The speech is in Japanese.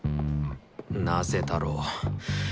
なぜだろう。